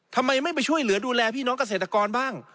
ทำไมไม่ไปช่วยเหลือดูแลพี่น้องเกษตรกรบ้าง